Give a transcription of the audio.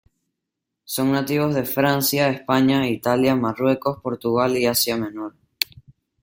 Son nativos de Francia, España, Italia, Marruecos, Portugal y Asia Menor.